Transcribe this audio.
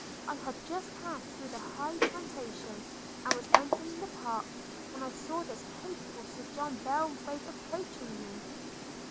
I had just passed through the high plantation, and was entering the park, when I saw this hateful Sir John Belgrave approaching me.